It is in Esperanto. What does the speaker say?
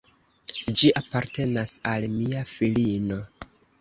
Ĝi apartenas al mia filino.